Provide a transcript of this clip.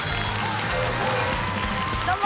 どうも！